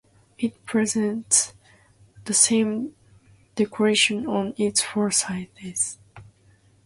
It presents the same decoration on its four sides.